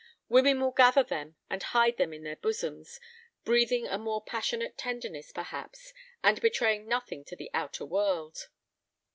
Women will gather them and hide them in their bosoms, breathing a more passionate tenderness perhaps, and betraying nothing to the outer world.